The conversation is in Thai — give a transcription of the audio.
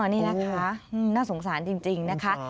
นี่นะคะน่าสงสารจริงนะคะ